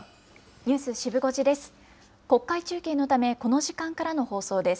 ニュースシブ５時です。